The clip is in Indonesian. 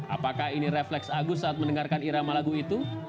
apakah ini refleks agus saat mendengarkan irama lagu itu